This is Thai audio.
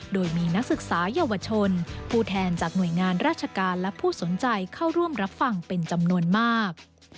โดยมีนักศึกษาเยาวชนผู้แทนจากหน่วยงานราชการและผู้สนใจเข้าร่วมรับฟังเป็นจำนวนมาก